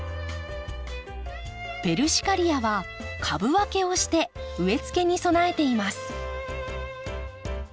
ペルシカリアは株分けをして植えつけに備えています。